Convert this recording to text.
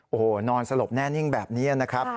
โอ้โหนอนสลบแน่นิ่งแบบนี้นะครับ